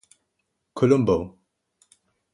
Columbo.